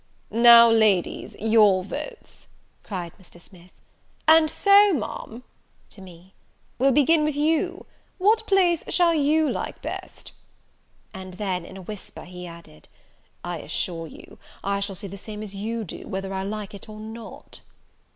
"Now, ladies, your votes," cried Mr. Smith; "and so, Ma'am (to me), we'll begin with you. What place shall you like best?" and then, in a whisper, he added, "I assure you, I shall say the same as you do, whether I like it or not."